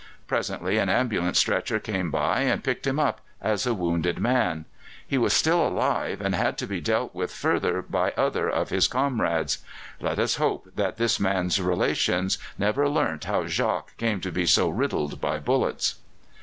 Presently an ambulance stretcher came by, and picked him up, as a wounded man; he was still alive, and had to be dealt with further by other of his comrades. Let us hope that this man's relations never learnt how Jacques came to be so riddled by bullets.